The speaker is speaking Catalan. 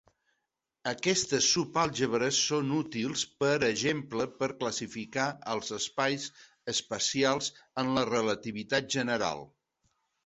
Aquestes sub-àlgebres són útils, per exemple, per classificar els espais espacials en la relativitat general.